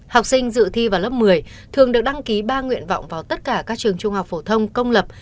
học sinh dự thi vào lớp một mươi thường được đăng ký ba nguyện vọng vào tất cả các trường trung học phổ thông công lập